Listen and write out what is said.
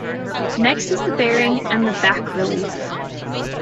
Next is the bearing and the back relief.